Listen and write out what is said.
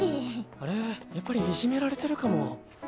あれやっぱりいじめられてるかも